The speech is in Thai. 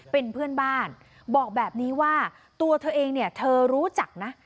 เป็นเพื่อนบ้านบอกแบบนี้ว่าตัวเธอเองเนี่ยเธอรู้จักนะ